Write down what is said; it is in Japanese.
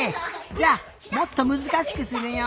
じゃあもっとむずかしくするよ。